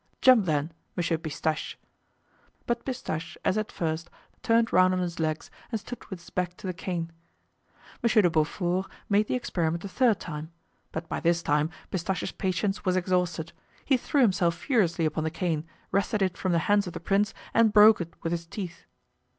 "Jump then, Monsieur Pistache." But Pistache, as at first, turned round on his legs and stood with his back to the cane. Monsieur de Beaufort made the experiment a third time, but by this time Pistache's patience was exhausted; he threw himself furiously upon the cane, wrested it from the hands of the prince and broke it with his teeth.